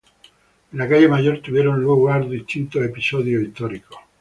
En la calle Mayor tuvieron lugar distintos episodios históricos.